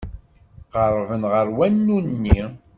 Qerrben ɣer wanu-nni.